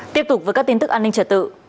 tiếp tục với các tin tức an ninh trật tự